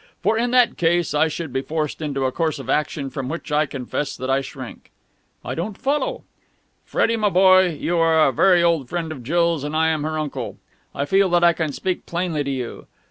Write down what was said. "For in that case I should be forced into a course of action from which I confess that I shrink." "I don't follow." "Freddie, my boy, you are a very old friend of Jill's and I am her uncle. I feel that I can speak plainly to you.